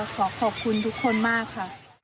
ขอขอบคุณทุกคนมากค่ะ